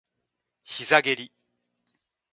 膝蹴り